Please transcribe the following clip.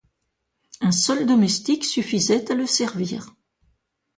Un seul domestique suffisait à le servir.